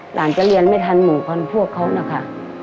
หลานจะเรียนไม่ทันเหมือนคนพวกเขานะคะ